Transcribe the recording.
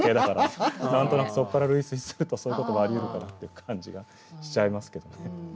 何となくそこから類推するとそういう事もありうるかなっていう感じがしちゃいますけどね。